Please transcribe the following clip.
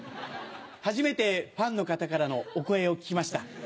初めてファンの方からのお声を聞きました。